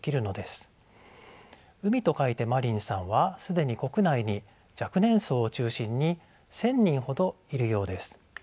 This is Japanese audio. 「海」と書いて「マリン」さんは既に国内に若年層を中心に１，０００人ほどいるようです。